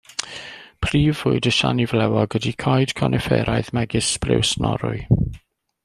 Prif fwyd y siani flewog ydy coed conifferaidd megis Sbriws Norwy.